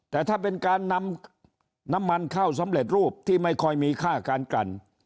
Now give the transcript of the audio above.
แต่ถ้าเป็นการนำน้ำมันเข้าสำเร็จรูปที่ไม่ค่อยมีค่าการกัน